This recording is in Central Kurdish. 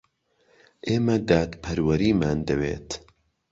ئێمە دادپەروەریمان دەوێت.